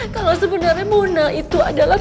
kalau sebenarnya muna itu adalah